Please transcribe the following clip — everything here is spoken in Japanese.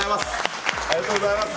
ありがとうございます。